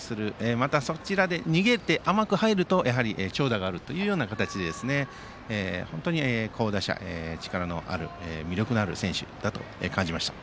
また、逃げて甘く入ると長打があるという形で本当に好打者、魅力のある選手と感じました。